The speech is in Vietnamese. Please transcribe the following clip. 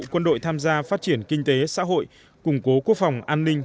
quân đội tham gia phát triển kinh tế xã hội củng cố quốc phòng an ninh